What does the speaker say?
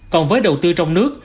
còn với đầu tư trong nước